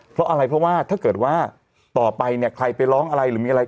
เพราะอะไรเพราะว่าถ้าเกิดว่าต่อไปเนี่ยใครไปร้องอะไรหรือมีอะไร